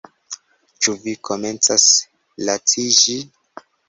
Ĉu vi komencas laciĝi?